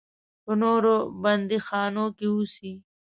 په نورو بندیخانو کې اوسي.